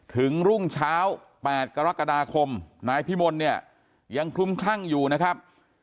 ถึงรุ่งเช้าแปดกรกฎาคมนายพี่มนต์เนี่ยยังคุ้มข้างอยู่นะครับ